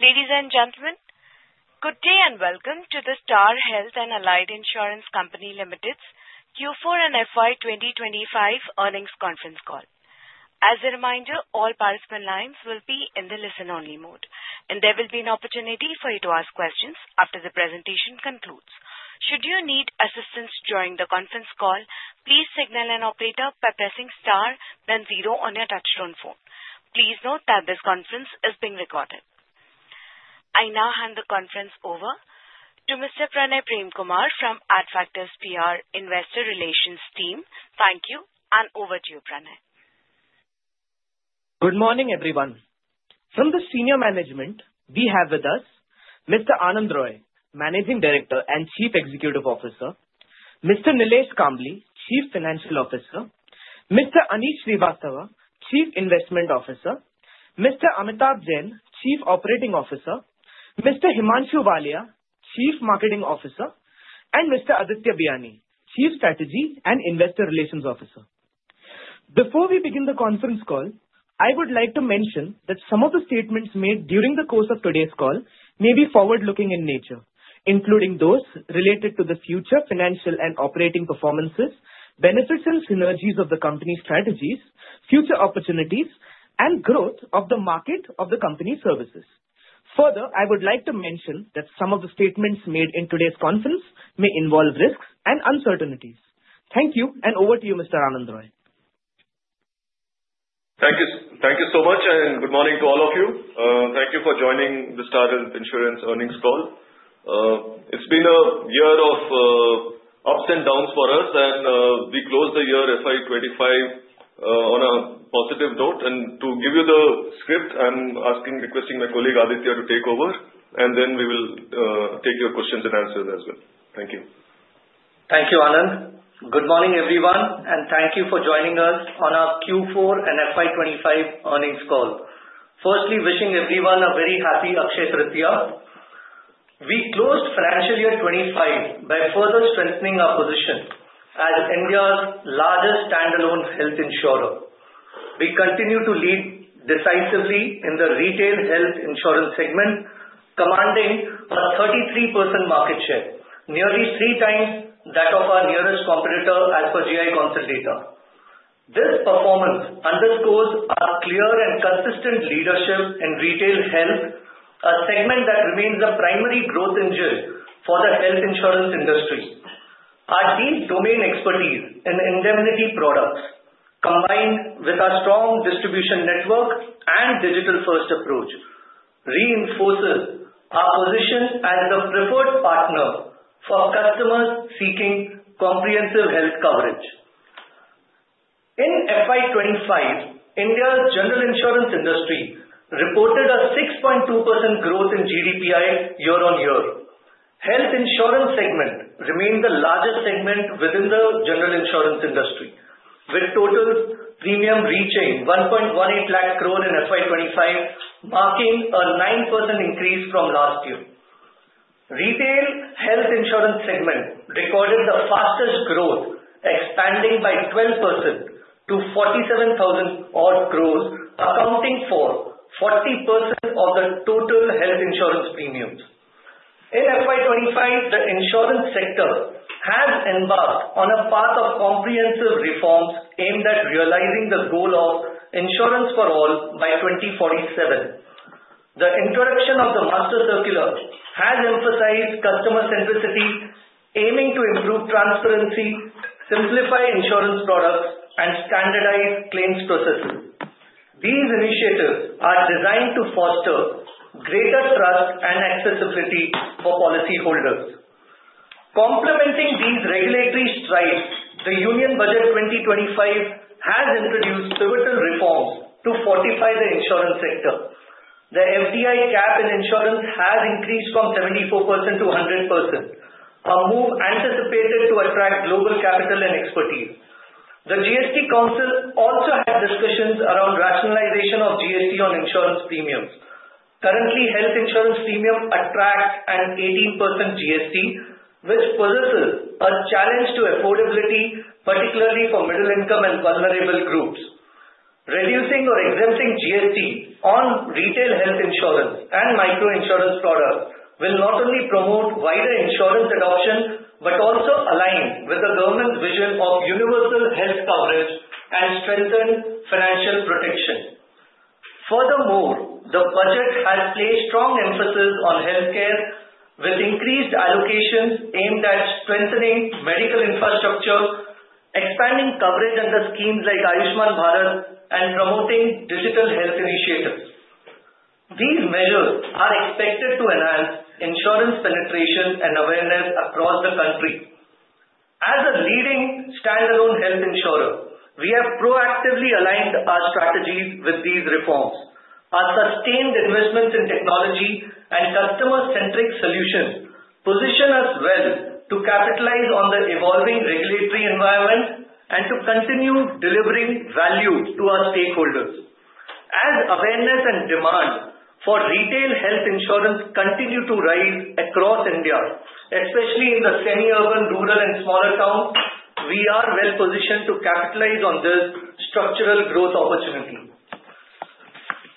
Ladies and gentlemen, good day and welcome to the Star Health and Allied Insurance Company Limited's Q4 and FY 2025 earnings conference call. As a reminder, all participant lines will be in the listen-only mode, and there will be an opportunity for you to ask questions after the presentation concludes. Should you need assistance during the conference call, please signal an operator by pressing star, then zero on your touch-tone phone. Please note that this conference is being recorded. I now hand the conference over to Mr. Pranay Premkumar from Adfactors PR Investor Relations Team. Thank you, and over to you, Pranay. Good morning, everyone. From the senior management, we have with us Mr. Anand Roy, Managing Director and Chief Executive Officer, Mr. Nilesh Kambli, Chief Financial Officer, Mr. Aneesh Srivastava, Chief Investment Officer, Mr. Amitabh Jain, Chief Operating Officer, Mr. Himanshu Walia, Chief Marketing Officer, and Mr. Aditya Biyani, Chief Strategy and Investor Relations Officer. Before we begin the conference call, I would like to mention that some of the statements made during the course of today's call may be forward-looking in nature, including those related to the future financial and operating performances, benefits and synergies of the company strategies, future opportunities, and growth of the market of the company services. Further, I would like to mention that some of the statements made in today's conference may involve risks and uncertainties. Thank you, and over to you, Mr. Anand Roy. Thank you so much, and good morning to all of you. Thank you for joining the Star Health Insurance earnings call. It's been a year of ups and downs for us, and we closed the year FY 2025 on a positive note, and to give you the script, I'm asking, requesting my colleague Aditya to take over, and then we will take your questions and answers as well. Thank you. Thank you, Anand. Good morning, everyone, and thank you for joining us on our Q4 and FY 2025 earnings call. Firstly, wishing everyone a very happy Akshaya Tritiya. We closed financial year 2025 by further strengthening our position as India's largest standalone health insurer. We continue to lead decisively in the retail health insurance segment, commanding a 33% market share, nearly three times that of our nearest competitor as per GI Council data. This performance underscores our clear and consistent leadership in retail health, a segment that remains a primary growth engine for the health insurance industry. Our deep domain expertise in indemnity products, combined with our strong distribution network and digital-first approach, reinforces our position as the preferred partner for customers seeking comprehensive health coverage. In FY 2025, India's general insurance industry reported a 6.2% growth in GDPI year-on-year. Health insurance segment remained the largest segment within the general insurance industry, with total premium reaching 1.18 lakh crore in FY 2025, marking a 9% increase from last year. Retail health insurance segment recorded the fastest growth, expanding by 12% to 47,000 crore, accounting for 40% of the total health insurance premiums. In FY 2025, the insurance sector has embarked on a path of comprehensive reforms aimed at realizing the goal of insurance for all by 2047. The introduction of the master circular has emphasized customer centricity, aiming to improve transparency, simplify insurance products, and standardize claims processes. These initiatives are designed to foster greater trust and accessibility for policyholders. Complementing these regulatory strides, the Union Budget 2025 has introduced pivotal reforms to fortify the insurance sector. The FDI cap in insurance has increased from 74% to 100%, a move anticipated to attract global capital and expertise. The GST Council also had discussions around rationalization of GST on insurance premiums. Currently, health insurance premiums attract an 18% GST, which poses a challenge to affordability, particularly for middle-income and vulnerable groups. Reducing or exempting GST on retail health insurance and micro-insurance products will not only promote wider insurance adoption but also align with the government's vision of universal health coverage and strengthen financial protection. Furthermore, the budget has placed strong emphasis on healthcare, with increased allocations aimed at strengthening medical infrastructure, expanding coverage under schemes like Ayushman Bharat, and promoting digital health initiatives. These measures are expected to enhance insurance penetration and awareness across the country. As a leading standalone health insurer, we have proactively aligned our strategies with these reforms. Our sustained investments in technology and customer-centric solutions position us well to capitalize on the evolving regulatory environment and to continue delivering value to our stakeholders. As awareness and demand for retail health insurance continue to rise across India, especially in the semi-urban, rural, and smaller towns, we are well-positioned to capitalize on this structural growth opportunity.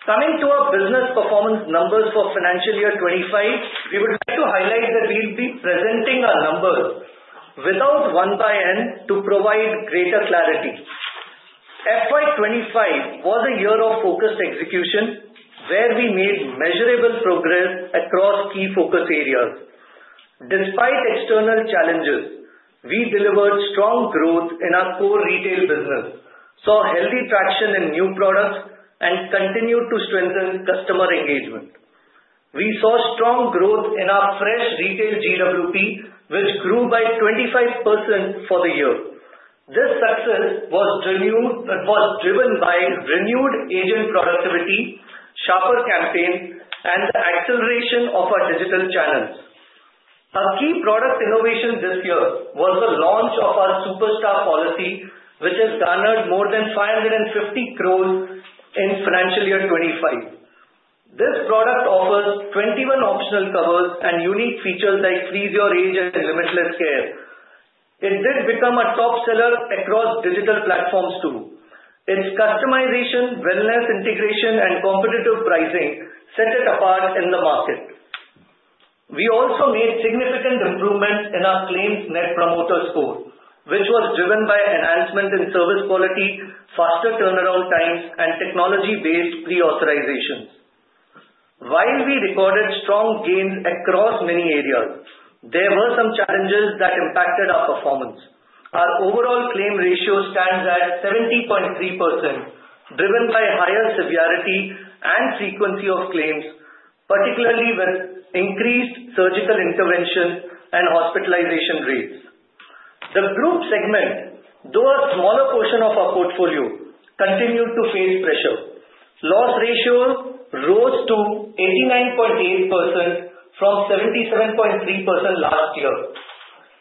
Coming to our business performance numbers for financial year 2025, we would like to highlight that we'll be presenting our numbers without 1/N to provide greater clarity. FY 2025 was a year of focused execution, where we made measurable progress across key focus areas. Despite external challenges, we delivered strong growth in our core retail business, saw healthy traction in new products, and continued to strengthen customer engagement. We saw strong growth in our fresh retail GWP, which grew by 25% for the year. This success was driven by renewed agent productivity, sharper campaigns, and the acceleration of our digital channels. A key product innovation this year was the launch of our Superstar policy, which has garnered more than 550 crore in financial year 2025. This product offers 21 optional covers and unique features like Freeze Your Age and Limitless Care. It did become a top seller across digital platforms too. Its customization, wellness integration, and competitive pricing set it apart in the market. We also made significant improvements in our claims Net Promoter Score, which was driven by enhancements in service quality, faster turnaround times, and technology-based pre-authorizations. While we recorded strong gains across many areas, there were some challenges that impacted our performance. Our overall claim ratio stands at 70.3%, driven by higher severity and frequency of claims, particularly with increased surgical intervention and hospitalization rates. The group segment, though a smaller portion of our portfolio, continued to face pressure. Loss ratio rose to 89.8% from 77.3% last year.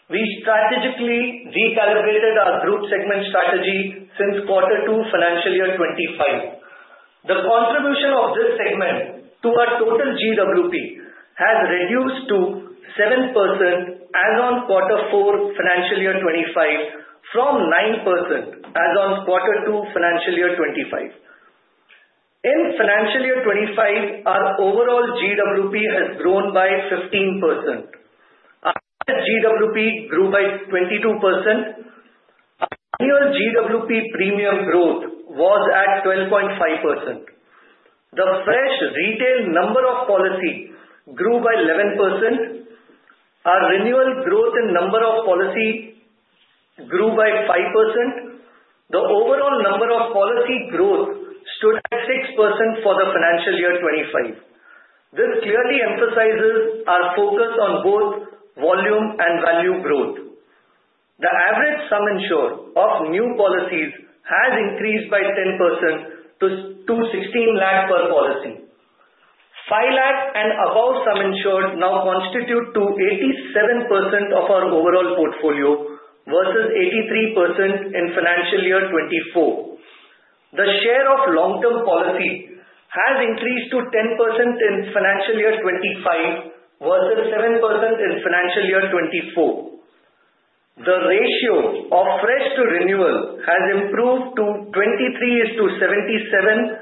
We strategically recalibrated our group segment strategy since Q2 financial year 2025. The contribution of this segment to our total GWP has reduced to 7% as on Q4 financial year 2025 from 9% as on Q2 financial year 2025. In financial year 2025, our overall GWP has grown by 15%. Our annual GWP grew by 22%. Our annual GWP premium growth was at 12.5%. The fresh retail number of policy grew by 11%. Our renewal growth in number of policy grew by 5%. The overall number of policy growth stood at 6% for the financial year 2025. This clearly emphasizes our focus on both volume and value growth. The average sum insured of new policies has increased by 10% to 16 lakh per policy. 5 lakh and above sum insured now constitute 87% of our overall portfolio versus 83% in financial year 2024. The share of long-term policy has increased to 10% in financial year 2025 versus 7% in financial year 2024. The ratio of fresh to renewal has improved to 23:77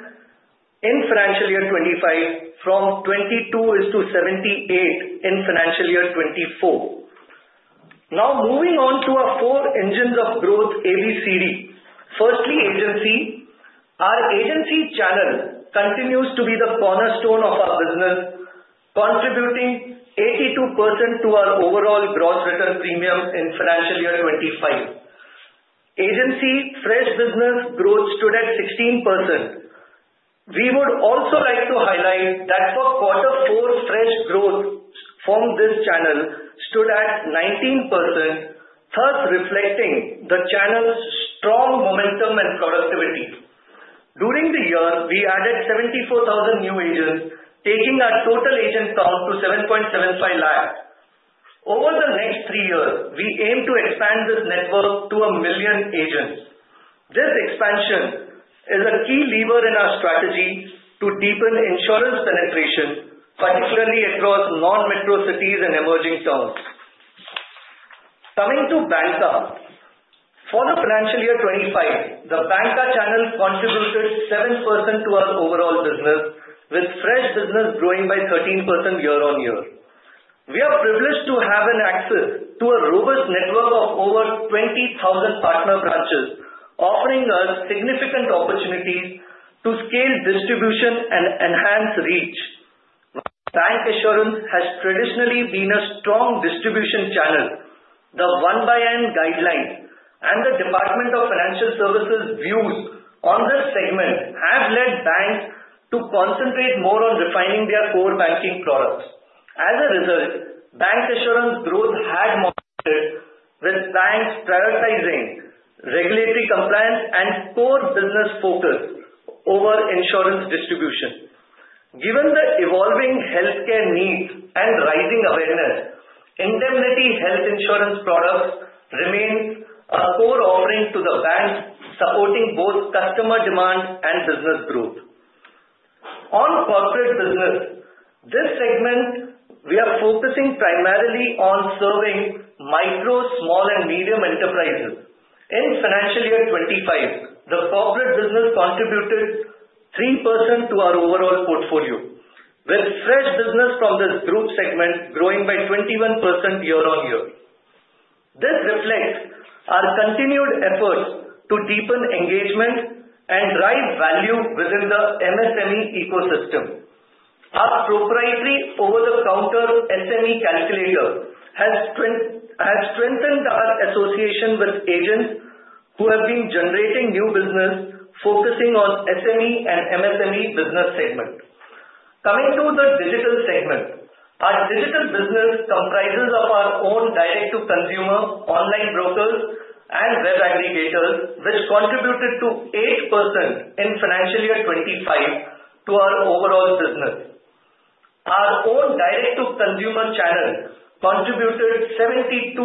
in financial year 2025 from 22:78 in financial year 2024. Now, moving on to our four engines of growth, A, B, C, D. Firstly, agency. Our agency channel continues to be the cornerstone of our business, contributing 82% to our overall gross written premium in financial year 2025. Agency fresh business growth stood at 16%. We would also like to highlight that for Q4, fresh growth from this channel stood at 19%, thus reflecting the channel's strong momentum and productivity. During the year, we added 74,000 new agents, taking our total agent count to 7.75 lakh. Over the next three years, we aim to expand this network to a million agents. This expansion is a key lever in our strategy to deepen insurance penetration, particularly across non-metro cities and emerging towns. Coming to bancassurance. For the financial year 2025, the bancassurance channel contributed 7% to our overall business, with fresh business growing by 13% year-on-year. We are privileged to have access to a robust network of over 20,000 partner branches, offering us significant opportunities to scale distribution and enhance reach. Bancassurance has traditionally been a strong distribution channel. The 1/N guidelines and the Department of Financial Services' views on this segment have led banks to concentrate more on refining their core banking products. As a result, bancassurance growth had moderated, with banks prioritizing regulatory compliance and core business focus over insurance distribution. Given the evolving healthcare needs and rising awareness, indemnity health insurance products remain a core offering to the banks, supporting both customer demand and business growth. On corporate business, this segment, we are focusing primarily on serving micro, small, and medium enterprises. In financial year 2025, the corporate business contributed 3% to our overall portfolio, with fresh business from this group segment growing by 21% year-on-year. This reflects our continued efforts to deepen engagement and drive value within the MSME ecosystem. Our proprietary over-the-counter SME calculator has strengthened our association with agents who have been generating new business, focusing on SME and MSME business segment. Coming to the digital segment, our digital business comprises of our own direct-to-consumer online brokers and web aggregators, which contributed to 8% in financial year 2025 to our overall business. Our own direct-to-consumer channel contributed 72%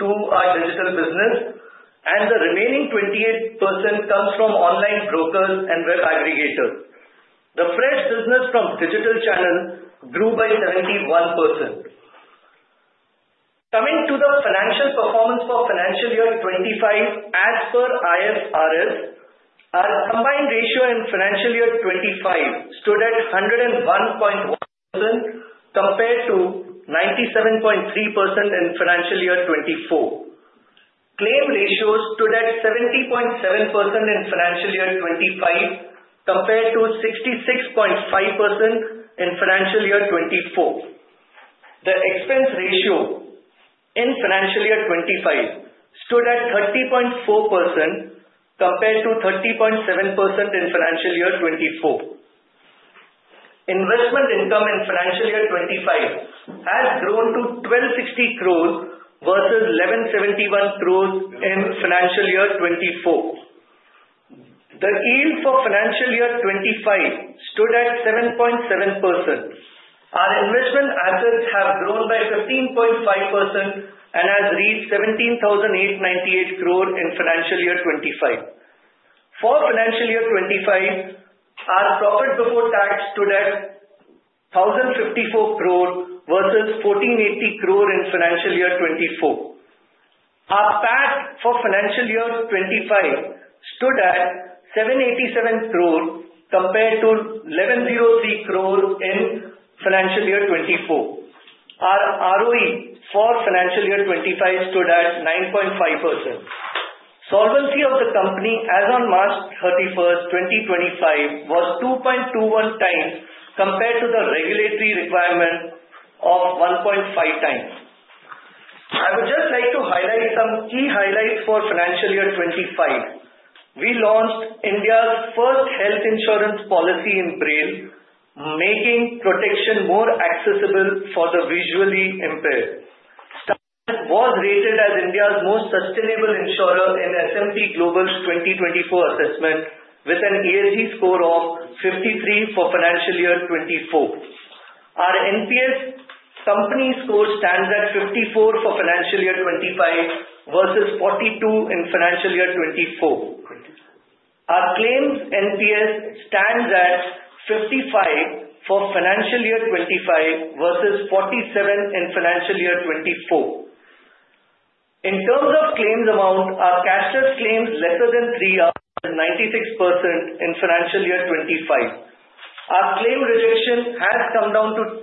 to our digital business, and the remaining 28% comes from online brokers and web aggregators. The fresh business from digital channel grew by 71%. Coming to the financial performance for financial year 2025, as per IFRS, our combined ratio in financial year 2025 stood at 101.1% compared to 97.3% in financial year 2024. Claim ratios stood at 70.7% in financial year 2025 compared to 66.5% in financial year 2024. The expense ratio in financial year 2025 stood at 30.4% compared to 30.7% in financial year 2024. Investment income in financial year 2025 has grown to 1,260 crore versus 1,171 crore in financial year 2024. The yield for financial year 2025 stood at 7.7%. Our investment assets have grown by 15.5% and have reached 17,898 crore in financial year 2025. For financial year 2025, our profit before tax stood at 1,054 crore versus 1,480 crore in financial year 2024. Our PAT for financial year 2025 stood at 787 crore compared to 1,103 crore in financial year 2024. Our ROE for financial year 2025 stood at 9.5%. Solvency of the company as on March 31, 2025, was 2.21x compared to the regulatory requirement of 1.5x. I would just like to highlight some key highlights for financial year 2025. We launched India's first health insurance policy in Braille, making protection more accessible for the visually impaired. Star Health was rated as India's most sustainable insurer in S&P Global's 2024 assessment, with an ESG score of 53 for financial year 2024. Our NPS company score stands at 54 for financial year 2025 versus 42 in financial year 2024. Our claims NPS stands at 55 for financial year 2025 versus 47 in financial year 2024. In terms of claims amount, our cashless claims less than 3 are 96% in financial year 2025. Our claim rejection has come down to 10%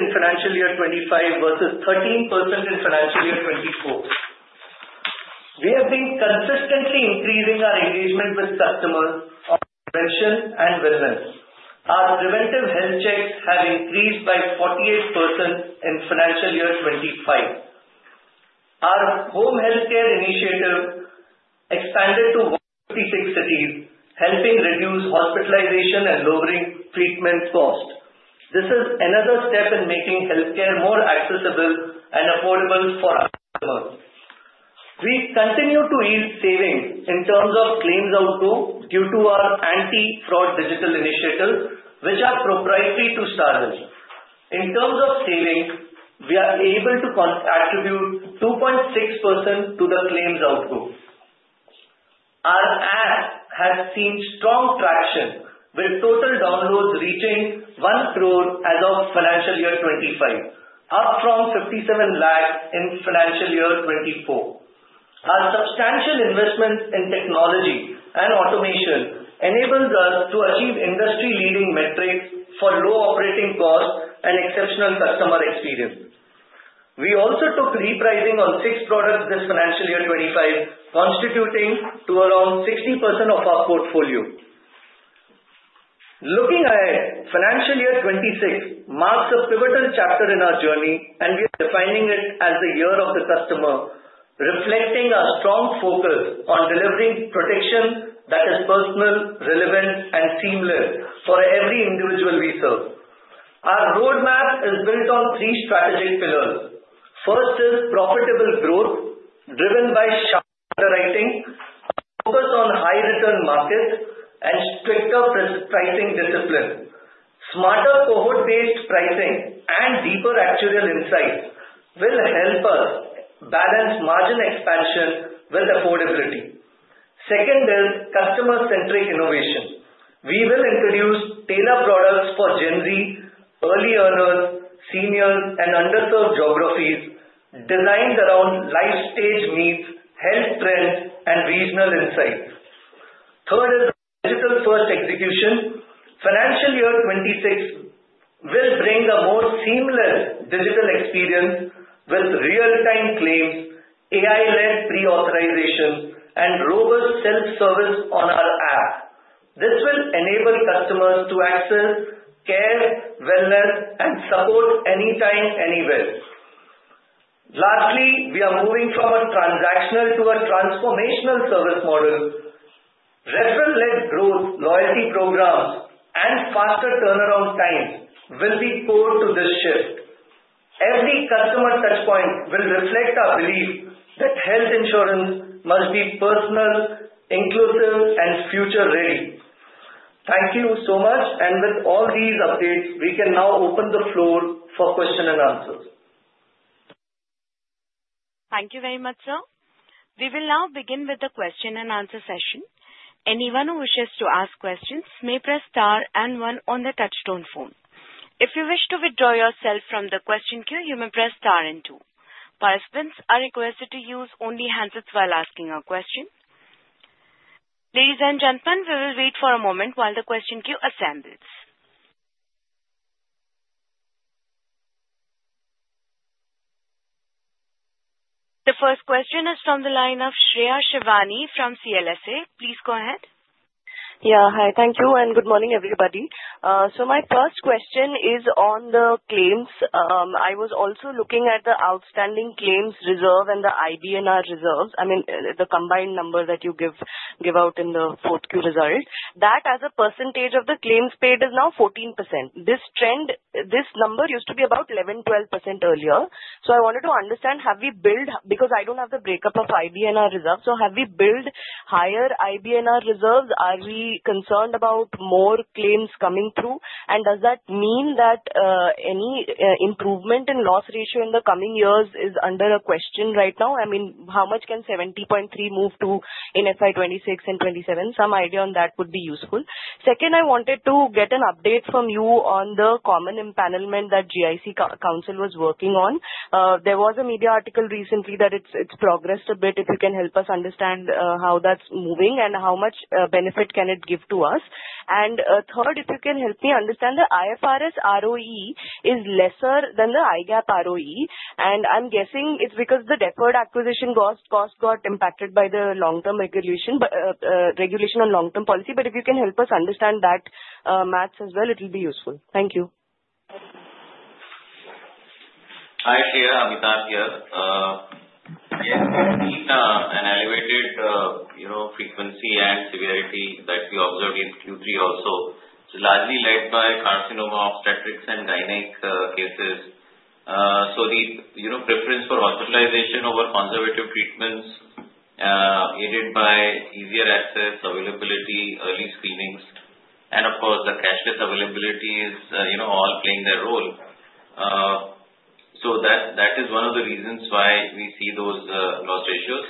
in financial year 2025 versus 13% in financial year 2024. We have been consistently increasing our engagement with customers on prevention and wellness. Our preventive health checks have increased by 48% in financial year 2025. Our home healthcare initiative expanded to 156 cities, helping reduce hospitalization and lowering treatment cost. This is another step in making healthcare more accessible and affordable for our customers. We continue to see savings in terms of claims outcome due to our anti-fraud digital initiatives, which are proprietary to Star Health. In terms of savings, we are able to attribute 2.6% to the claims outcome. Our app has seen strong traction, with total downloads reaching 1 crore as of financial year 2025, up from 57 lakh in financial year 2024. Our substantial investments in technology and automation enabled us to achieve industry-leading metrics for low operating cost and exceptional customer experience. We also took repricing on six products this financial year 2025, constituting around 60% of our portfolio. Looking ahead, financial year 2026 marks a pivotal chapter in our journey, and we are defining it as the year of the customer, reflecting our strong focus on delivering protection that is personal, relevant, and seamless for every individual we serve. Our roadmap is built on three strategic pillars. First is profitable growth driven by sharper underwriting, a focus on high-return markets, and stricter pricing discipline. Smarter cohort-based pricing and deeper actuarial insights will help us balance margin expansion with affordability. Second is customer-centric innovation. We will introduce tailored products for Gen Z, early earners, seniors, and underserved geographies, designed around life stage needs, health trends, and regional insights. Third is digital-first execution. financial year 2026 will bring a more seamless digital experience with real-time claims, AI-led pre-authorization, and robust self-service on our app. This will enable customers to access care, wellness, and support anytime, anywhere. Lastly, we are moving from a transactional to a transformational service model. Reference-led growth, loyalty programs, and faster turnaround times will be core to this shift. Every customer touchpoint will reflect our belief that health insurance must be personal, inclusive, and future-ready. Thank you so much, and with all these updates, we can now open the floor for questions and answers. Thank you very much, sir. We will now begin with the question and answer session. Anyone who wishes to ask questions may press star and one on the touch-tone phone. If you wish to withdraw yourself from the question queue, you may press star and two. Participants are requested to use only handsets while asking a question. Ladies and gentlemen, we will wait for a moment while the question queue assembles. The first question is from the line of Shreya Shivani from CLSA. Please go ahead. Yeah, hi. Thank you and good morning, everybody. So my first question is on the claims. I was also looking at the outstanding claims reserve and the IBNR reserves. I mean, the combined number that you give out in the Q4 results, that as a percentage of the claims paid is now 14%. This number used to be about 11%-12% earlier. So I wanted to understand, have we built, because I don't have the breakup of IBNR reserves, so have we built higher IBNR reserves? Are we concerned about more claims coming through? And does that mean that any improvement in loss ratio in the coming years is under a question right now? I mean, how much can 70.3 move to in FY 2026 and 2027? Some idea on that would be useful. Second, I wanted to get an update from you on the common empanelment that GI Council was working on. There was a media article recently that it's progressed a bit. If you can help us understand how that's moving and how much benefit can it give to us. And third, if you can help me understand the IFRS ROE is lesser than the IGAAP ROE. I'm guessing it's because the deferred acquisition cost got impacted by the long-term regulation on long-term policy. But if you can help us understand that math as well, it will be useful. Thank you. Hi, Shreya. Amitabh here. Yes, we see an elevated frequency and severity that we observed in Q3 also. It's largely led by carcinoma, obstetrics and gynec cases. So the preference for hospitalization over conservative treatments aided by easier access, availability, early screenings, and of course, the cashless availability is all playing their role. So that is one of the reasons why we see those loss ratios.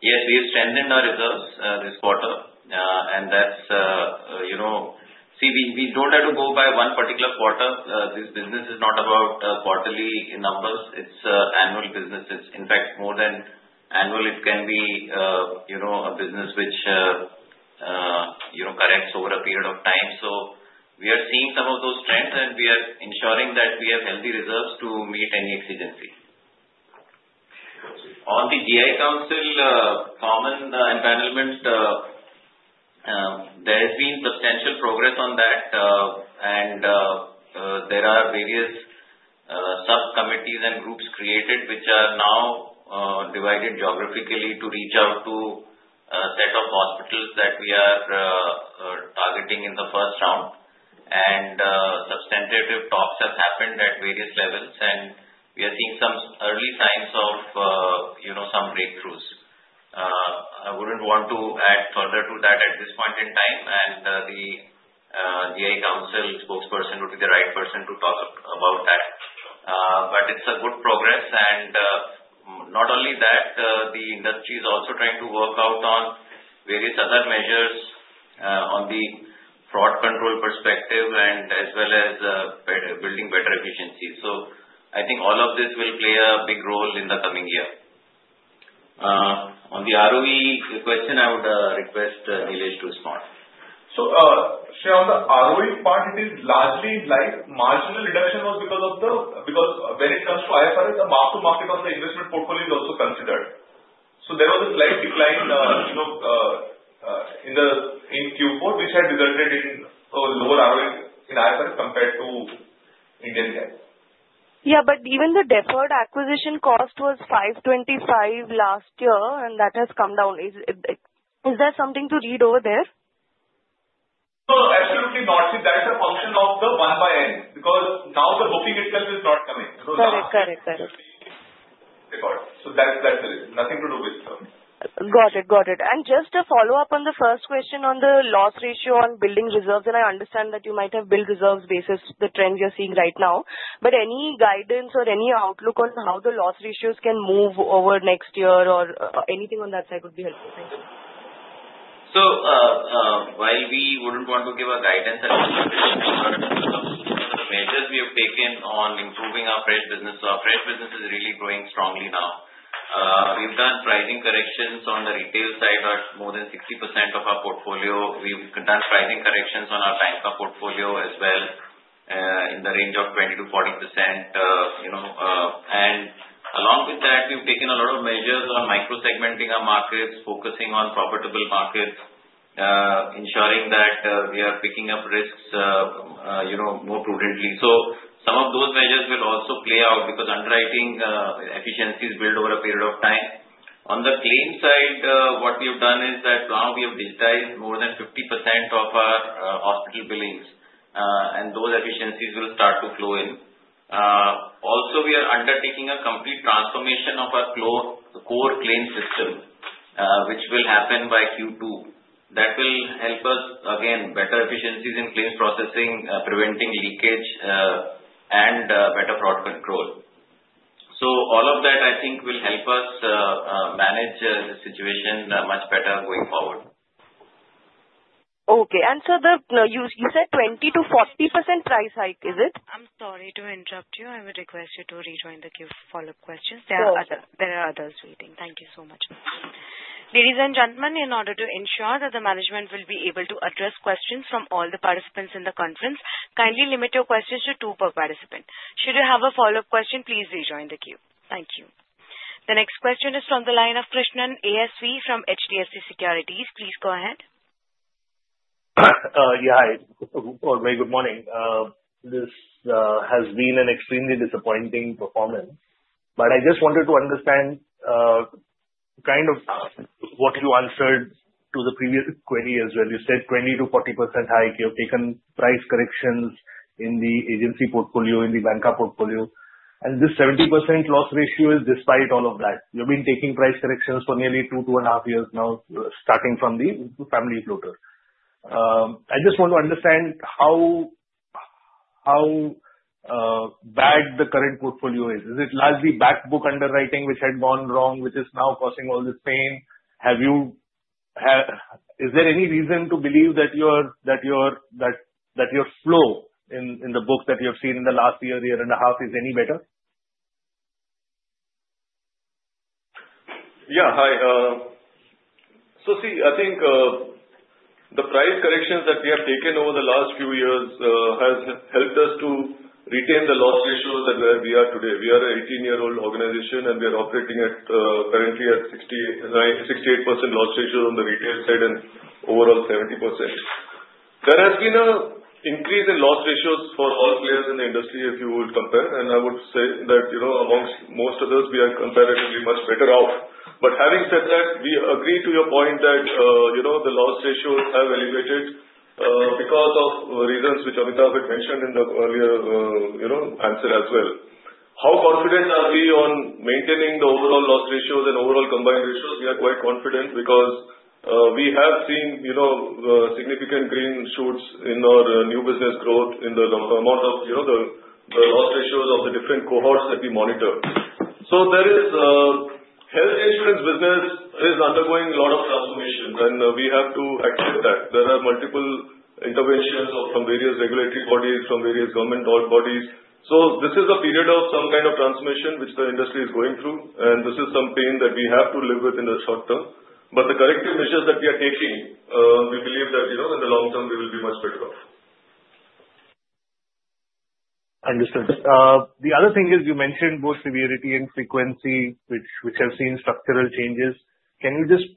Yes, we have strengthened our reserves this quarter. And that's, see, we don't have to go by one particular quarter. This business is not about quarterly numbers. It's annual business. In fact, more than annual, it can be a business which corrects over a period of time. So we are seeing some of those trends, and we are ensuring that we have healthy reserves to meet any exigency. On the GI Council common empanelment, there has been substantial progress on that. And there are various subcommittees and groups created, which are now divided geographically to reach out to a set of hospitals that we are targeting in the first round. And substantive talks have happened at various levels, and we are seeing some early signs of some breakthroughs. I wouldn't want to add further to that at this point in time, and the GI Council spokesperson would be the right person to talk about that. But it's a good progress. And not only that, the industry is also trying to work out on various other measures on the fraud control perspective and as well as building better efficiencies. I think all of this will play a big role in the coming year. On the ROE question, I would request Nilesh to respond. Shreya, on the ROE part, it is largely light. Marginal reduction was because when it comes to IFRS, the mark-to-market on the investment portfolio is also considered. So there was a slight decline in Q4, which had resulted in lower ROE in IFRS compared to IGAAP. Yeah, but even the deferred acquisition cost was 525 last year, and that has come down. Is there something to read over there? Absolutely not. See, that is a function of the one by N because now the booking itself is not coming. Correct, correct, correct. Right. So that's the reason. Nothing to do with. Got it, got it. Just a follow-up on the first question on the loss ratio on building reserves. And I understand that you might have build reserves basis the trend you're seeing right now. But any guidance or any outlook on how the loss ratios can move over next year or anything on that side would be helpful. Thank you. So while we wouldn't want to give a guidance at this point, I would like to talk about some of the measures we have taken on improving our fresh business. So our fresh business is really growing strongly now. We've done pricing corrections on the retail side at more than 60% of our portfolio. We've done pricing corrections on our bank portfolio as well in the range of 20%-40%. And along with that, we've taken a lot of measures on micro-segmenting our markets, focusing on profitable markets, ensuring that we are picking up risks more prudently. So some of those measures will also play out because underwriting efficiencies build over a period of time. On the claim side, what we have done is that now we have digitized more than 50% of our hospital billings, and those efficiencies will start to flow in. Also, we are undertaking a complete transformation of our core claim system, which will happen by Q2. That will help us, again, better efficiencies in claims processing, preventing leakage, and better fraud control. So all of that, I think, will help us manage the situation much better going forward. Okay. And so you said 20%-40% price hike, is it? I'm sorry to interrupt you. I would request you to rejoin the Q&A follow-up questions. There are others waiting. Thank you so much. Ladies and gentlemen, in order to ensure that the management will be able to address questions from all the participants in the conference, kindly limit your questions to two per participant. Should you have a follow-up question, please rejoin the queue. Thank you. The next question is from the line of Krishnan ASV from HDFC Securities. Please go ahead. Yeah, hi. Very good morning. This has been an extremely disappointing performance. But I just wanted to understand kind of what you answered to the previous query as well. You said 20%-40% hike. You have taken price corrections in the agency portfolio, in the bank portfolio. And this 70% loss ratio is despite all of that. You've been taking price corrections for nearly two, two and a half years now, starting from the family floaters. I just want to understand how bad the current portfolio is. Is it largely backbook underwriting, which had gone wrong, which is now causing all this pain? Is there any reason to believe that your flow in the books that you have seen in the last year, year and a half, is any better? Yeah, hi. So see, I think the price corrections that we have taken over the last few years have helped us to retain the loss ratios at where we are today. We are an 18-year-old organization, and we are operating currently at 68% loss ratio on the retail side and overall 70%. There has been an increase in loss ratios for all players in the industry, if you will compare, and I would say that amongst most others, we are comparatively much better off. But having said that, we agree to your point that the loss ratios have elevated because of reasons which Amitabh had mentioned in the earlier answer as well. How confident are we on maintaining the overall loss ratios and overall combined ratios? We are quite confident because we have seen significant green shoots in our new business growth in the amount of the loss ratios of the different cohorts that we monitor. So the health insurance business is undergoing a lot of transformation, and we have to accept that. There are multiple interventions from various regulatory bodies, from various government bodies. So this is a period of some kind of transformation which the industry is going through, and this is some pain that we have to live with in the short-term. But the corrective measures that we are taking, we believe that in the long-term, we will be much better off. Understood. The other thing is you mentioned both severity and frequency, which have seen structural changes. Can you just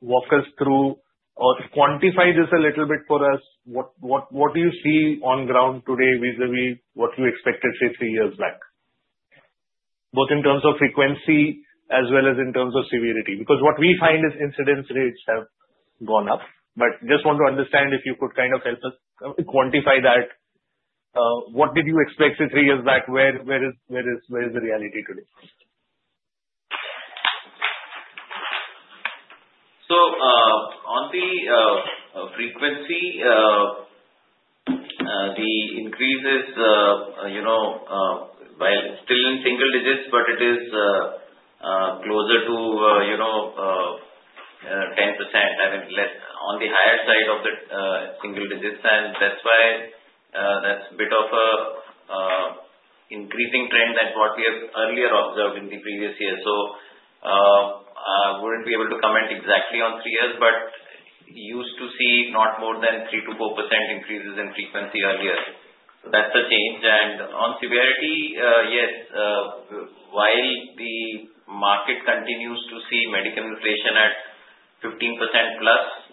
walk us through or quantify this a little bit for us? What do you see on ground today vis-à-vis what you expected, say, three years back, both in terms of frequency as well as in terms of severity? Because what we find is incidence rates have gone up. But just want to understand if you could kind of help us quantify that. What did you expect three years back? Where is the reality today? So on the frequency, the increase is still in single digits, but it is closer to 10%. I mean, on the higher side of the single digits. That's why that's a bit of an increasing trend than what we have earlier observed in the previous year. So I wouldn't be able to comment exactly on three years, but used to see not more than 3%-4% increases in frequency earlier. So that's the change. And on severity, yes, while the market continues to see medical inflation at 15%+,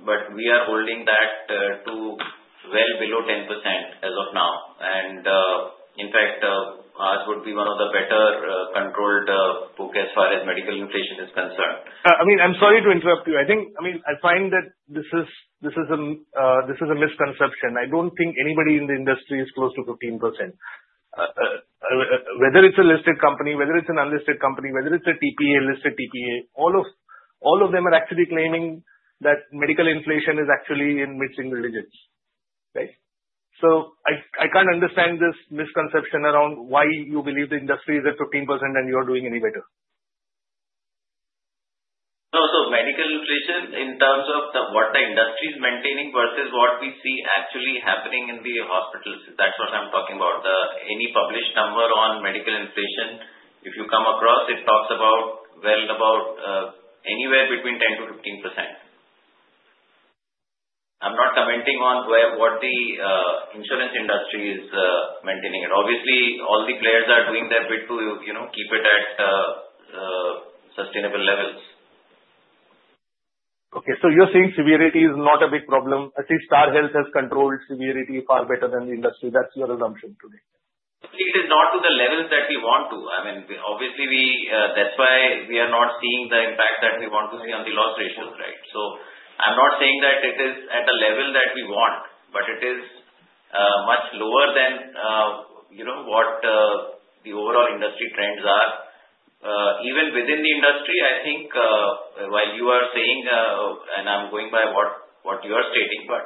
but we are holding that to well below 10% as of now. And in fact, ours would be one of the better controlled books as far as medical inflation is concerned. I mean, I'm sorry to interrupt you. I mean, I find that this is a misconception. I don't think anybody in the industry is close to 15%. Whether it's a listed company, whether it's an unlisted company, whether it's a TPA, listed TPA, all of them are actually claiming that medical inflation is actually in mid-single digits, right? So I can't understand this misconception around why you believe the industry is at 15% and you are doing any better. No, so medical inflation in terms of what the industry is maintaining versus what we see actually happening in the hospitals, that's what I'm talking about. Any published number on medical inflation, if you come across, it talks about well about anywhere between 10%-15%. I'm not commenting on what the insurance industry is maintaining. Obviously, all the players are doing their bit to keep it at sustainable levels. Okay. So you're saying severity is not a big problem. At least Star Health has controlled severity far better than the industry. That's your assumption today. It is not to the levels that we want to. I mean, obviously, that's why we are not seeing the impact that we want to see on the loss ratios, right? So I'm not saying that it is at a level that we want, but it is much lower than what the overall industry trends are. Even within the industry, I think while you are saying, and I'm going by what you are stating, but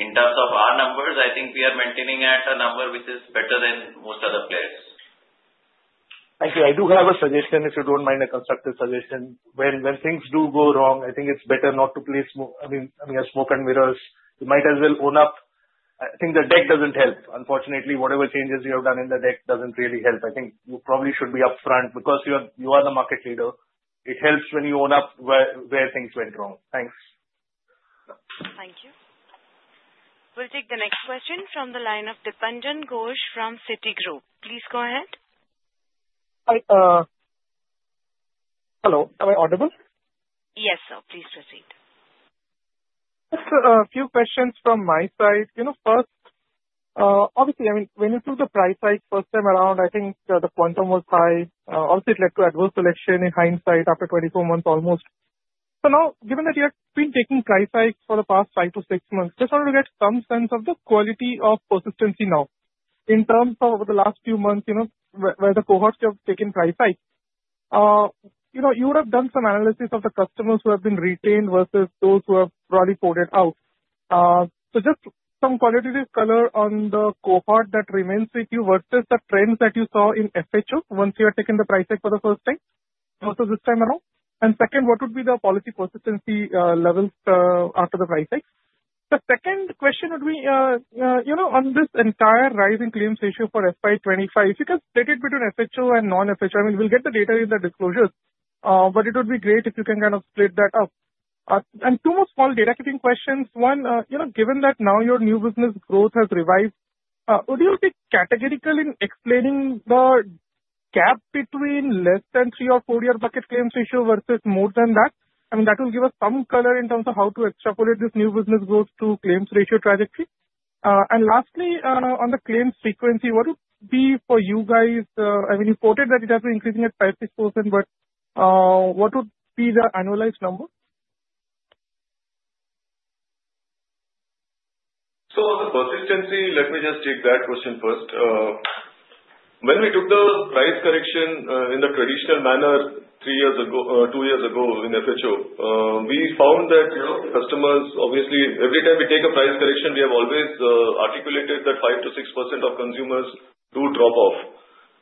in terms of our numbers, I think we are maintaining at a number which is better than most other players. Actually, I do have a suggestion, if you don't mind a constructive suggestion. When things do go wrong, I think it's better not to, I mean, smoke and mirrors. You might as well own up. I think the deck doesn't help. Unfortunately, whatever changes you have done in the deck doesn't really help. I think you probably should be upfront because you are the market leader. It helps when you own up where things went wrong. Thanks. Thank you. We'll take the next question from the line of Dipanjan Ghosh from Citigroup. Please go ahead. Hello. Am I audible? Yes, sir. Please proceed. Just a few questions from my side. First, obviously, I mean, when you took the price hike first time around, I think the quantum was high. Obviously, it led to adverse selection in hindsight after 24 months almost. So now, given that you have been taking price hikes for the past five to six months, just wanted to get some sense of the quality of persistency now. In terms of over the last few months, where the cohorts have taken price hikes, you would have done some analysis of the customers who have been retained versus those who have probably fallen out. So just some qualitative color on the cohort that remains with you versus the trends that you saw in FHO once you had taken the price hike for the first time versus this time around. And second, what would be the policy persistency levels after the price hike? The second question would be on this entire rising claims ratio for FY 2025, if you can split it between FHO and non-FHO. I mean, we'll get the data in the disclosures, but it would be great if you can kind of split that up. And two more small data keeping questions. One, given that now your new business growth has revised, would you be categorical in explaining the gap between less than three- or four-year bucket claims ratio versus more than that? I mean, that will give us some color in terms of how to extrapolate this new business growth to claims ratio trajectory. And lastly, on the claims frequency, what would be for you guys? I mean, you quoted that it has been increasing at 56%, but what would be the annualized number? So on the persistency, let me just take that question first. When we took the price correction in the traditional manner two years ago in FHO, we found that customers, obviously, every time we take a price correction, we have always articulated that 5%-6% of consumers do drop off.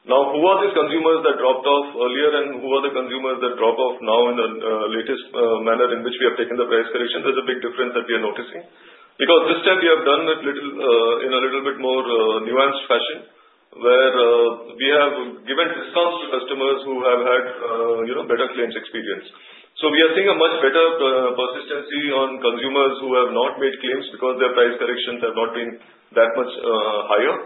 Now, who are these consumers that dropped off earlier, and who are the consumers that drop off now in the latest manner in which we have taken the price correction? There's a big difference that we are noticing because this step we have done in a little bit more nuanced fashion, where we have given discounts to customers who have had better claims experience. So we are seeing a much better persistency on consumers who have not made claims because their price corrections have not been that much higher.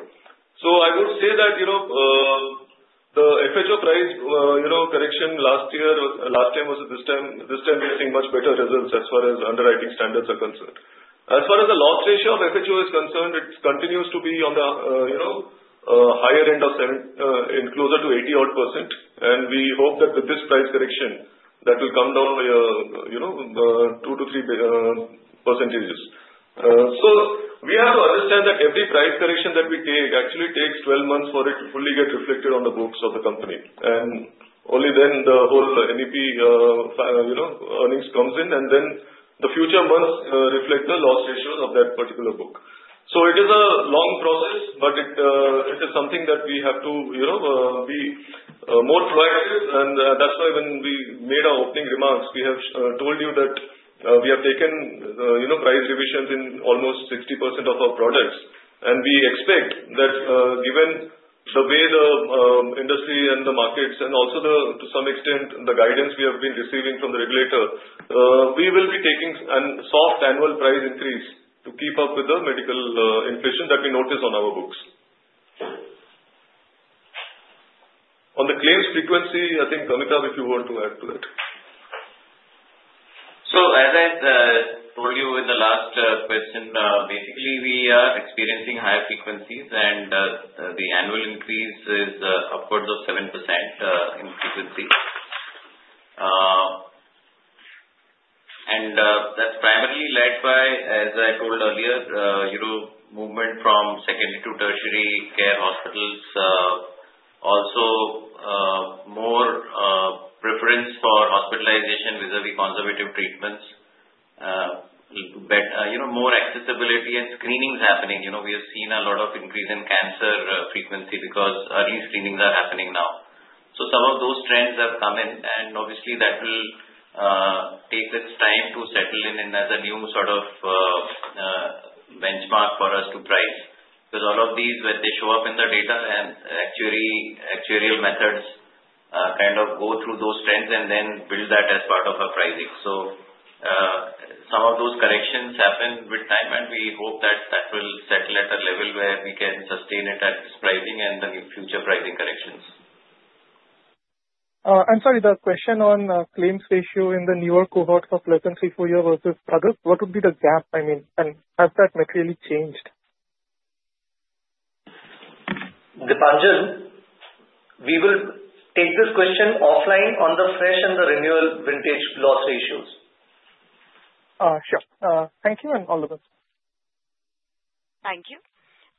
So I would say that the FHO price correction last time versus this time, this time we are seeing much better results as far as underwriting standards are concerned. As far as the loss ratio of FHO is concerned, it continues to be on the higher end of closer to 80-odd%. And we hope that with this price correction, that will come down by 2%-3%. So we have to understand that every price correction that we take actually takes 12 months for it to fully get reflected on the books of the company. And only then the whole NEP earnings comes in, and then the future months reflect the loss ratios of that particular book. So it is a long process, but it is something that we have to be more proactive. And that's why when we made our opening remarks, we have told you that we have taken price revisions in almost 60% of our products. We expect that given the way the industry and the markets and also, to some extent, the guidance we have been receiving from the regulator, we will be taking a soft annual price increase to keep up with the medical inflation that we notice on our books. On the claims frequency, I think, Amitabh, if you want to add to it. As I told you in the last question, basically, we are experiencing higher frequencies, and the annual increase is upwards of 7% in frequency. That's primarily led by, as I told earlier, movement from secondary to tertiary care hospitals, also more preference for hospitalization vis-à-vis conservative treatments, more accessibility and screenings happening. We have seen a lot of increase in cancer frequency because early screenings are happening now. So some of those trends have come in, and obviously, that will take its time to settle in as a new sort of benchmark for us to price. Because all of these, when they show up in the data, then actuarial methods kind of go through those trends and then build that as part of our pricing. So some of those corrections happen with time, and we hope that that will settle at a level where we can sustain it at this pricing and the future pricing corrections. And, sorry, the question on claims ratio in the newer cohort for policy year four versus prior years, what would be the gap? I mean, and has that materially changed? Dipanjan, we will take this question offline on the fresh and the renewal vintage loss ratios. Sure. Thank you, and all the best. Thank you.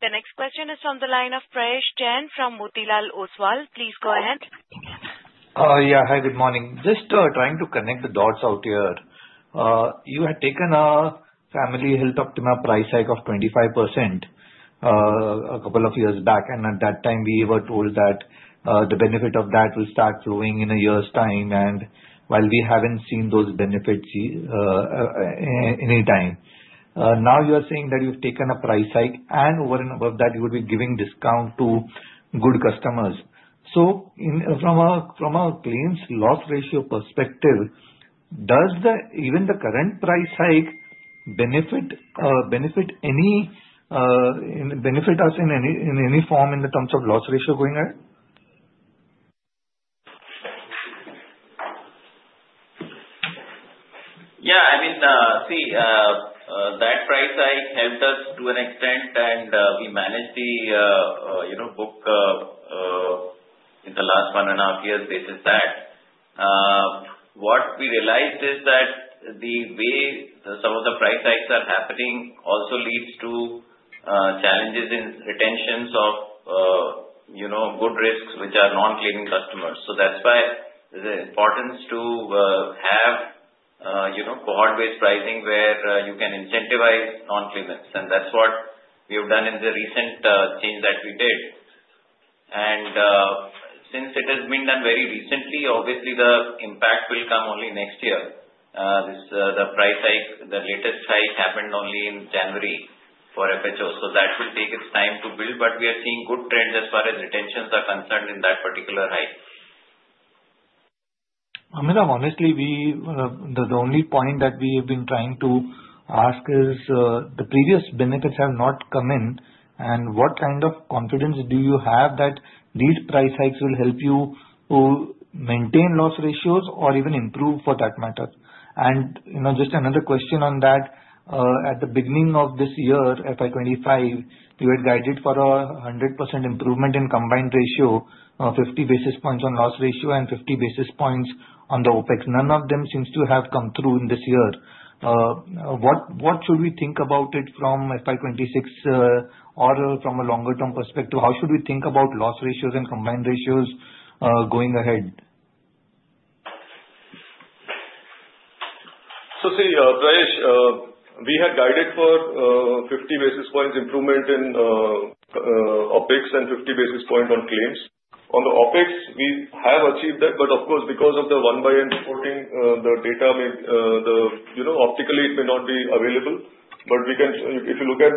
The next question is from the line of Prayesh Jain from Motilal Oswal. Please go ahead. Yeah. Hi, good morning. Just trying to connect the dots out here. You had taken a Family Health Optima price hike of 25% a couple of years back, and at that time, we were told that the benefit of that will start flowing in a year's time. And while we haven't seen those benefits any time, now you are saying that you've taken a price hike, and over and above that, you would be giving discount to good customers. So from a claims loss ratio perspective, does even the current price hike benefit us in any form in terms of loss ratio going ahead? Yeah. I mean, see, that price hike helped us to an extent, and we managed the book in the last one and a half years basis that. What we realized is that the way some of the price hikes are happening also leads to challenges in retentions of good risks, which are non-claiming customers, so that's why the importance to have cohort-based pricing where you can incentivize non-claimers, and that's what we have done in the recent change that we did, and since it has been done very recently, obviously, the impact will come only next year. The latest hike happened only in January for FHO, so that will take its time to build, but we are seeing good trends as far as retentions are concerned in that particular hike. Amitabh, honestly, the only point that we have been trying to ask is the previous benefits have not come in, and what kind of confidence do you have that these price hikes will help you maintain loss ratios or even improve for that matter? Just another question on that. At the beginning of this year, FY 2025, you had guided for a 100% improvement in combined ratio, 50 basis points on loss ratio and 50 basis points on the OpEx. None of them seems to have come through in this year. What should we think about it from FY 2026 or from a longer-term perspective? How should we think about loss ratios and combined ratios going ahead? See, Prayesh, we had guided for 50 basis points improvement in OpEx and 50 basis points on claims. On the OpEx, we have achieved that, but of course, because of the 1/N reporting, the data may optically not be available. But if you look at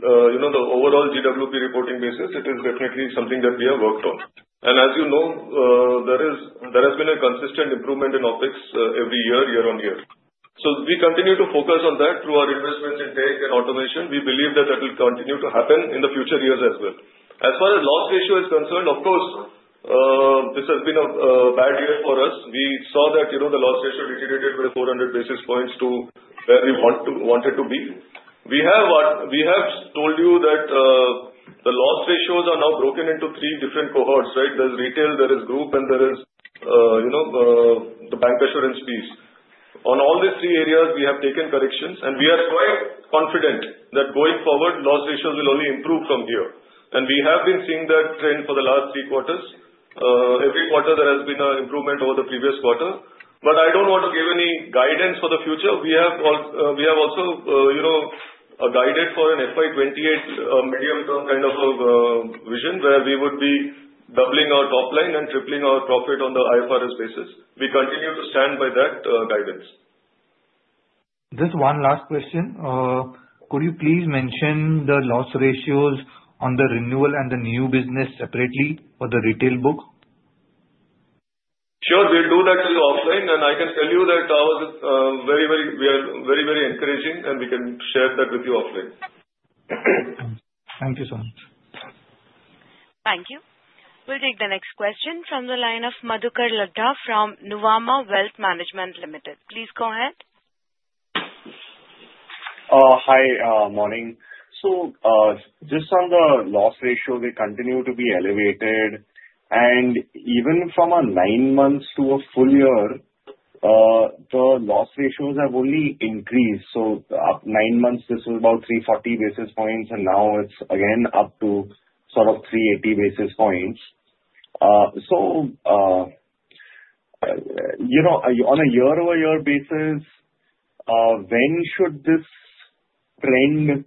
the overall GWP reporting basis, it is definitely something that we have worked on. As you know, there has been a consistent improvement in OpEx every year, year on year. We continue to focus on that through our investments in tech and automation. We believe that that will continue to happen in the future years as well. As far as loss ratio is concerned, of course, this has been a bad year for us. We saw that the loss ratio deteriorated by 400 basis points to where we wanted to be. We have told you that the loss ratios are now broken into three different cohorts, right? There's retail, there is group, and there is the bancassurance piece. On all these three areas, we have taken corrections, and we are quite confident that going forward, loss ratios will only improve from here. And we have been seeing that trend for the last three quarters. Every quarter, there has been an improvement over the previous quarter. But I don't want to give any guidance for the future. We have also guided for an FY 2028 medium-term kind of a vision where we would be doubling our top line and tripling our profit on the IFRS basis. We continue to stand by that guidance. Just one last question. Could you please mention the loss ratios on the renewal and the new business separately for the retail book? Sure. We'll do that offline, and I can tell you that we are very, very encouraging, and we can share that with you offline. Thank you so much. Thank you. We'll take the next question from the line of Madhukar Ladha from Nuvama Wealth Management Limited. Please go ahead. Hi, morning. So just on the loss ratio, they continue to be elevated. And even from nine months to a full year, the loss ratios have only increased. Nine months, this was about 340 basis points, and now it's again up to sort of 380 basis points. On a year-over-year basis, when should this trend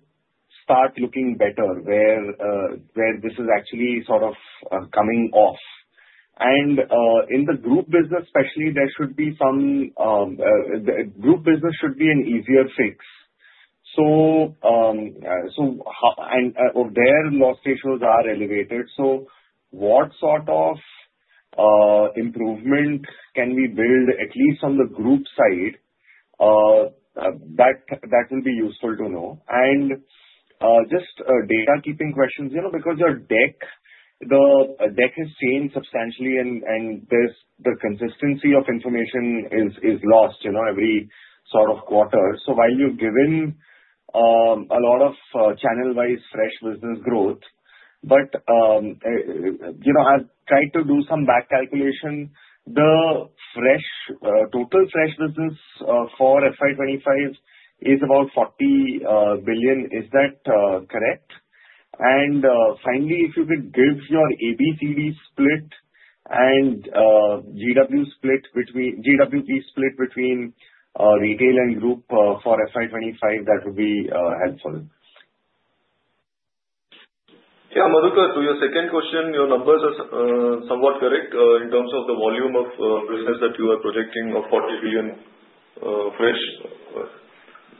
start looking better, where this is actually sort of coming off? In the group business, especially, the group business should be an easier fix. Their loss ratios are elevated. What sort of improvement can we build, at least on the group side, that will be useful to know? Just housekeeping questions, because your deck has changed substantially, and the consistency of information is lost every sort of quarter. While you've given a lot of channel-wise fresh business growth, but I've tried to do some back calculation. The total fresh business for FY 2025 is about 40 billion. Is that correct? Finally, if you could give your ABCD split and GWP split between retail and group for FY 2025, that would be helpful. Yeah. Madhukar, to your second question, your numbers are somewhat correct in terms of the volume of business that you are projecting of 40 billion fresh.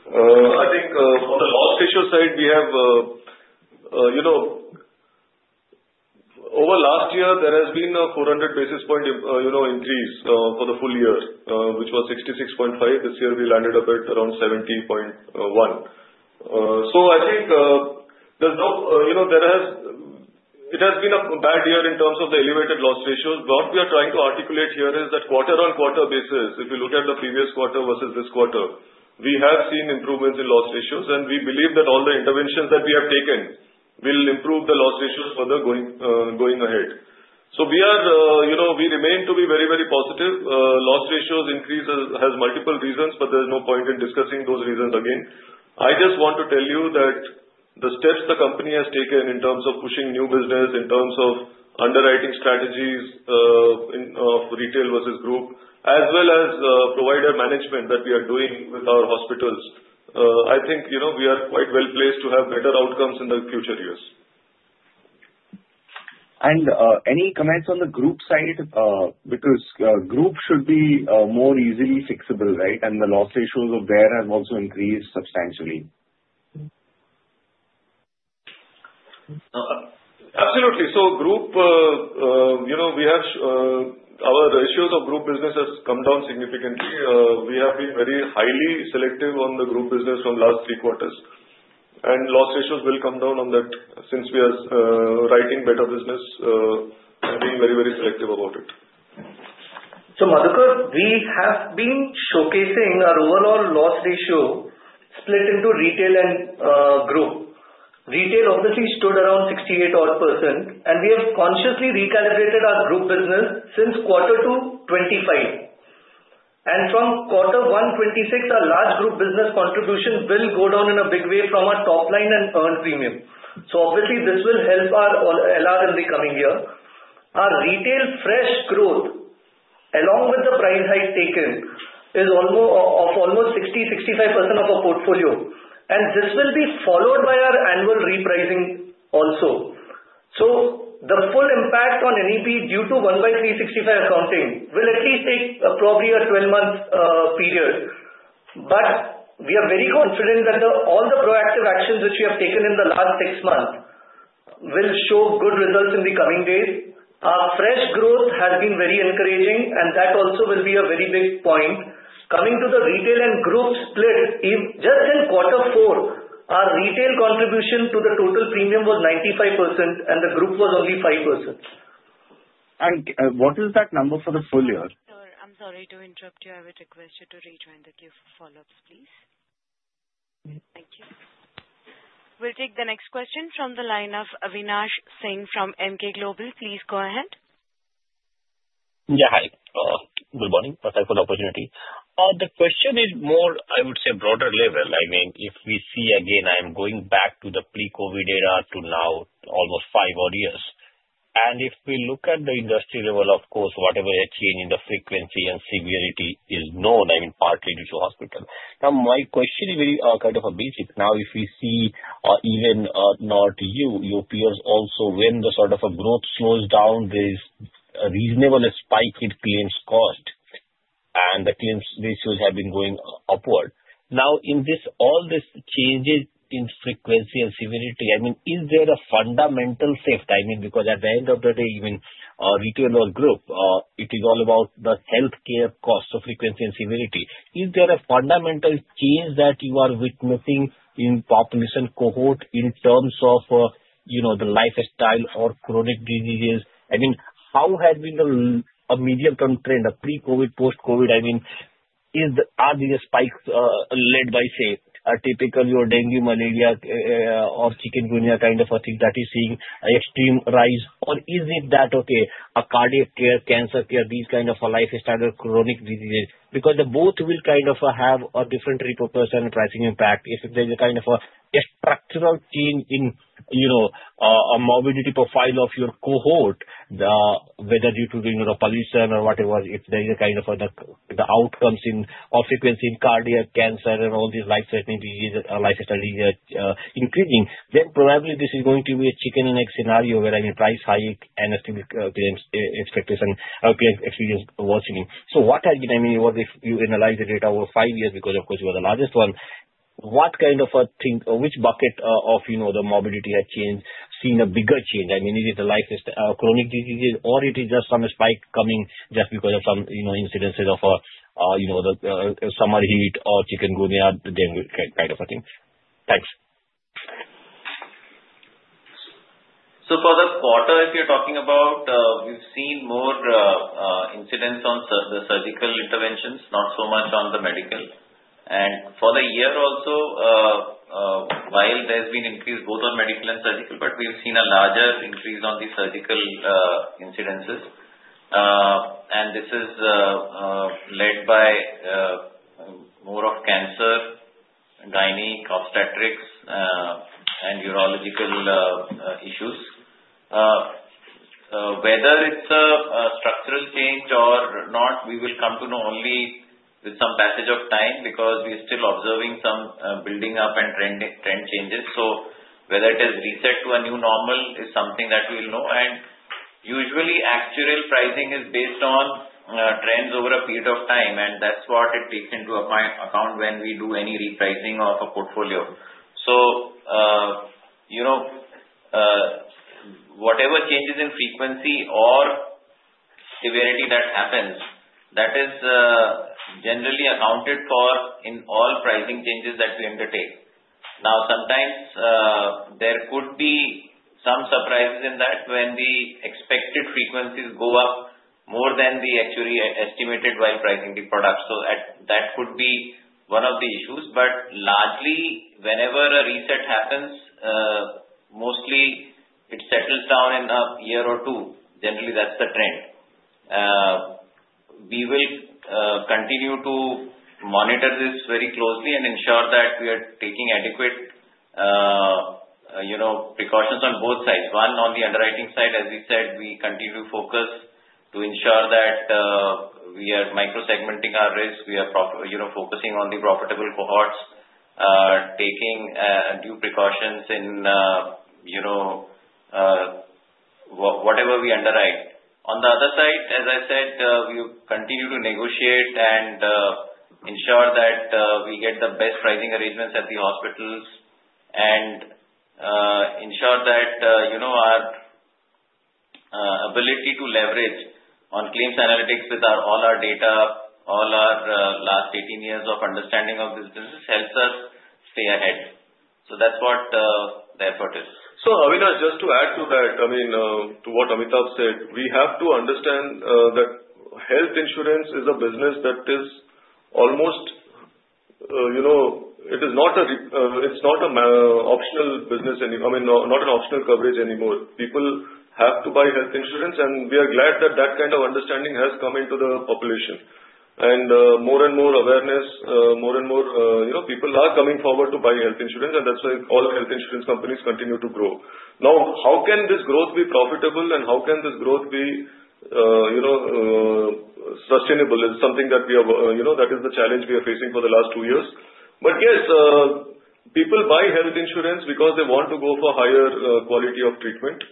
I think on the loss ratio side, we have over last year, there has been a 400 basis points increase for the full year, which was 66.5%. This year, we landed about around 70.1%. So I think there has been a bad year in terms of the elevated loss ratios. What we are trying to articulate here is that quarter-on-quarter basis, if you look at the previous quarter versus this quarter, we have seen improvements in loss ratios, and we believe that all the interventions that we have taken will improve the loss ratios further going ahead. So we remain to be very, very positive. Loss ratios increase has multiple reasons, but there's no point in discussing those reasons again. I just want to tell you that the steps the company has taken in terms of pushing new business, in terms of underwriting strategies of retail versus group, as well as provider management that we are doing with our hospitals, I think we are quite well placed to have better outcomes in the future years. And any comments on the group side? Because group should be more easily fixable, right? And the loss ratios of there have also increased substantially. Absolutely. So group, we have our ratios of group business has come down significantly. We have been very highly selective on the group business from last three quarters. Loss ratios will come down on that since we are writing better business and being very, very selective about it. Madhukar, we have been showcasing our overall loss ratio split into retail and group. Retail obviously stood around 68-odd%, and we have consciously recalibrated our group business since quarter two 2025. From quarter one 2026, our large group business contribution will go down in a big way from our top line and earned premium. This will help our LR in the coming year. Our retail fresh growth, along with the price hike taken, is of almost 60%-65% of our portfolio. This will be followed by our annual repricing also. The full impact on NEP due to 1/365 accounting will at least take probably a 12-month period. But we are very confident that all the proactive actions which we have taken in the last six months will show good results in the coming days. Our fresh growth has been very encouraging, and that also will be a very big point. Coming to the retail and group split, just in quarter four, our retail contribution to the total premium was 95%, and the group was only 5%. And what is that number for the full year? I'm sorry to interrupt you. I would request you to rejoin the queue for follow-ups, please. Thank you. We'll take the next question from the line of Avinash Singh from Emkay Global. Please go ahead. Yeah. Hi. Good morning. Thank you for the opportunity. The question is more, I would say, broader level. I mean, if we see again, I'm going back to the pre-COVID era to now, almost five odd years. If we look at the industry level, of course, whatever change in the frequency and severity is known, I mean, partly due to hospital. Now, my question is very kind of basic. Now, if we see even not you, your peers also, when the sort of growth slows down, there is a reasonable spike in claims cost, and the claims ratios have been going upward. Now, in all these changes in frequency and severity, I mean, is there a fundamental shift? I mean, because at the end of the day, even retail or group, it is all about the healthcare cost of frequency and severity. Is there a fundamental change that you are witnessing in population cohort in terms of the lifestyle or chronic diseases? I mean, how has been the medium-term trend, the pre-COVID, post-COVID? I mean, are these spikes led by, say, a typical dengue malaria or chikungunya kind of a thing that is seeing an extreme rise? Or is it that, okay, a cardiac care, cancer care, these kind of lifestyle or chronic diseases? Because both will kind of have a different repercussion and pricing impact. If there's a kind of a structural change in a morbidity profile of your cohort, whether due to the pollution or whatever it was, if there is a kind of the outcomes in frequency in cardiac, cancer, and all these life-threatening diseases, lifestyle diseases increasing, then probably this is going to be a chicken-and-egg scenario where, I mean, price hike and estimate claims expectation or claims experience worsening. So what has been, I mean, what if you analyze the data over five years? Because, of course, you are the largest one. What kind of a thing or which bucket of the morbidity has changed? Seen a bigger change? I mean, is it the chronic diseases, or it is just some spike coming just because of some incidences of the summer heat or chikungunya kind of a thing? Thanks. For the quarter, if you're talking about, we've seen more incidents on the surgical interventions, not so much on the medical. And for the year also, while there's been increase both on medical and surgical, but we've seen a larger increase on the surgical incidences. And this is led by more of cancer, gynae-obstetrics, and urological issues. Whether it's a structural change or not, we will come to know only with some passage of time because we are still observing some build-up and trend changes. Whether it has reset to a new normal is something that we'll know. Usually, actual pricing is based on trends over a period of time, and that's what it takes into account when we do any repricing of a portfolio. Whatever changes in frequency or severity that happens, that is generally accounted for in all pricing changes that we undertake. Now, sometimes there could be some surprises in that when the expected frequencies go up more than the actually estimated while pricing the products. That could be one of the issues. Largely, whenever a reset happens, mostly it settles down in a year or two. Generally, that's the trend. We will continue to monitor this very closely and ensure that we are taking adequate precautions on both sides. One, on the underwriting side, as we said, we continue to focus to ensure that we are micro-segmenting our risk. We are focusing on the profitable cohorts, taking new precautions in whatever we underwrite. On the other side, as I said, we continue to negotiate and ensure that we get the best pricing arrangements at the hospitals and ensure that our ability to leverage on claims analytics with all our data, all our last 18 years of understanding of this business helps us stay ahead. So that's what the effort is. So Avinash, just to add to that, I mean, to what Amitabh said, we have to understand that health insurance is a business that is almost, it is not an optional business anymore. I mean, not an optional coverage anymore. People have to buy health insurance, and we are glad that that kind of understanding has come into the population. More and more awareness, more and more people are coming forward to buy health insurance, and that's why all health insurance companies continue to grow. Now, how can this growth be profitable, and how can this growth be sustainable? It's something that is the challenge we are facing for the last two years. But yes, people buy health insurance because they want to go for higher quality of treatment.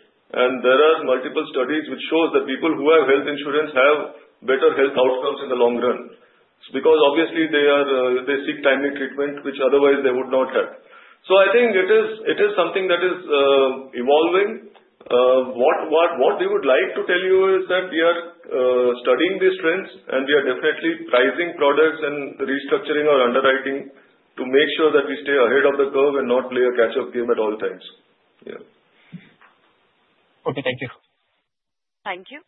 There are multiple studies which show that people who have health insurance have better health outcomes in the long run because, obviously, they seek timely treatment, which otherwise they would not have. I think it is something that is evolving. What we would like to tell you is that we are studying these trends, and we are definitely pricing products and restructuring our underwriting to make sure that we stay ahead of the curve and not play a catch-up game at all times. Yeah. Okay. Thank you. Thank you.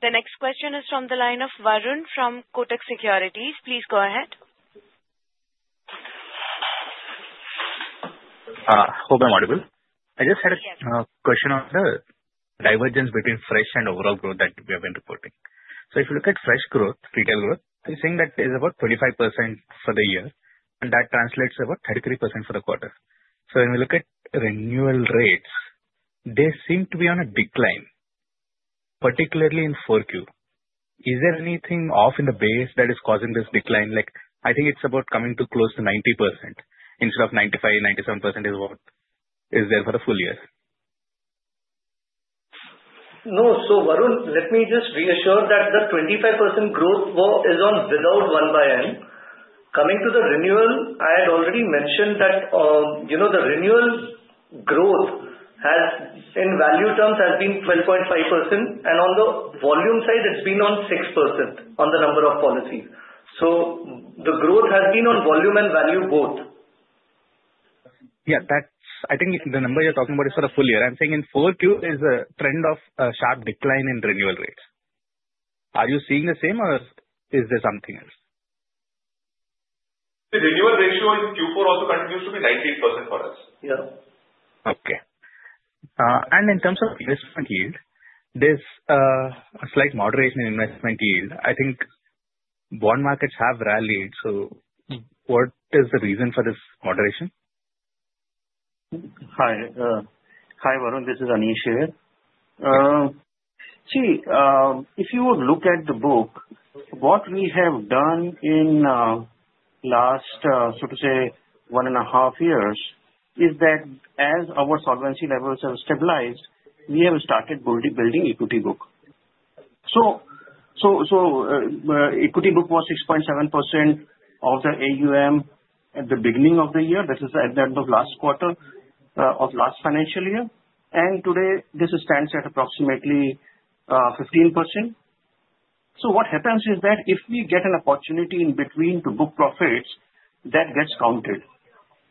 The next question is from the line of Varun from Kotak Securities. Please go ahead. Hold on, Madhukar. I just had a question on the divergence between fresh and overall growth that we have been reporting. So if you look at fresh growth, retail growth, we're seeing that it is about 25% for the year, and that translates to about 33% for the quarter. So when we look at renewal rates, they seem to be on a decline, particularly in 4Q. Is there anything off in the base that is causing this decline? I think it's about coming to close to 90% instead of 95%, 97% is what is there for the full year. No. So Varun, let me just reassure that the 25% growth is on without 1/N. Coming to the renewal, I had already mentioned that the renewal growth in value terms has been 12.5%, and on the volume side, it's been on 6% on the number of policies. So the growth has been on volume and value both. Yeah. I think the number you're talking about is for the full year. I'm saying in 4Q, there's a trend of a sharp decline in renewal rates. Are you seeing the same, or is there something else? The renewal ratio in Q4 also continues to be 19% for us. Yeah. Okay. And in terms of investment yield, there's a slight moderation in investment yield. I think bond markets have rallied. So what is the reason for this moderation? Hi. Hi, Varun. This is Aneesh here. See, if you would look at the book, what we have done in the last, so to say, one and a half years is that as our solvency levels have stabilized, we have started building equity book. So equity book was 6.7% of the AUM at the beginning of the year. This is at the end of last quarter of last financial year. And today, this stands at approximately 15%. So what happens is that if we get an opportunity in between to book profits, that gets counted.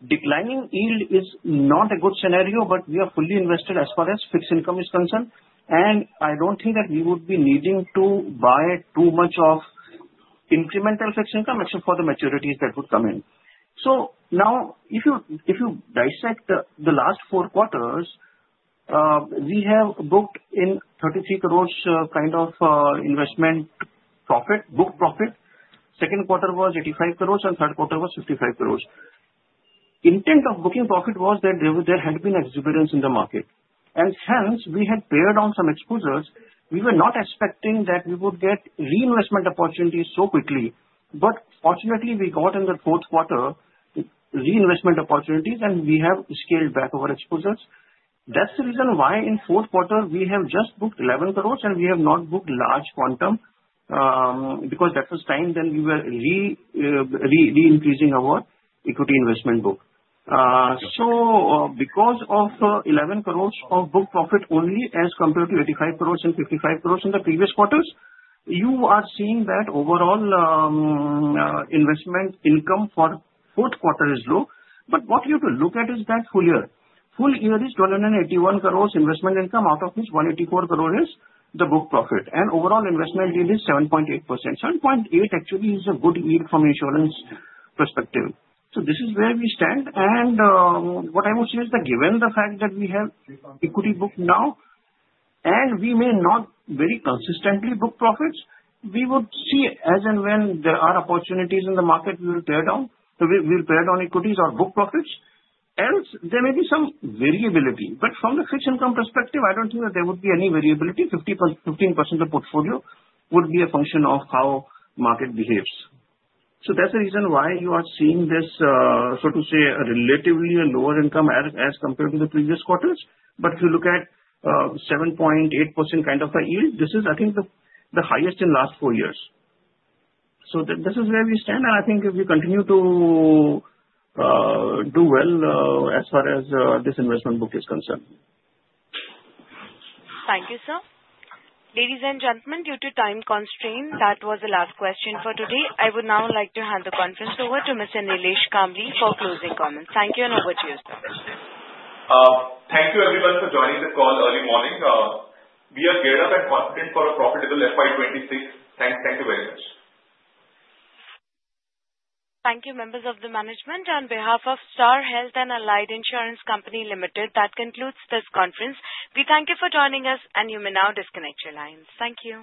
Declining yield is not a good scenario, but we are fully invested as far as fixed income is concerned. I don't think that we would be needing to buy too much of incremental fixed income except for the maturities that would come in. So now, if you dissect the last four quarters, we have booked 33 crores kind of investment profit, book profit. Second quarter was 85 crores, and third quarter was 55 crores. Intent of booking profit was that there had been exuberance in the market. And hence, we had pared down some exposures. We were not expecting that we would get reinvestment opportunities so quickly. But fortunately, we got in the fourth quarter reinvestment opportunities, and we have scaled back our exposures. That's the reason why in fourth quarter, we have just booked 11 crores, and we have not booked large quantum because that was time when we were re-increasing our equity investment book. So because of 11 crores of book profit only as compared to 85 crores and 55 crores in the previous quarters, you are seeing that overall investment income for fourth quarter is low. But what you have to look at is that full year. Full year is 181 crores investment income out of which 184 crores is the book profit. And overall investment yield is 7.8%. 7.8% actually is a good yield from an insurance perspective. So this is where we stand. And what I would say is that given the fact that we have equity book now, and we may not very consistently book profits, we would see as and when there are opportunities in the market, we will pare down. We will pare down equities or book profits. Else there may be some variability. But from the fixed income perspective, I don't think that there would be any variability. 15% of the portfolio would be a function of how the market behaves. So that's the reason why you are seeing this, so to say, relatively lower income as compared to the previous quarters. But if you look at 7.8% kind of a yield, this is, I think, the highest in the last four years. So this is where we stand. And I think if we continue to do well as far as this investment book is concerned. Thank you, sir. Ladies and gentlemen, due to time constraint, that was the last question for today. I would now like to hand the conference over to Mr. Nilesh Kambli for closing comments. Thank you, and over to you, sir. Thank you, everyone, for joining the call early morning. We are geared up and confident for a profitable FY 2026. Thank you very much. Thank you, members of the management. On behalf of Star Health and Allied Insurance Company Limited, that concludes this conference. We thank you for joining us, and you may now disconnect your lines. Thank you.